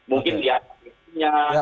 mungkin di anak istrinya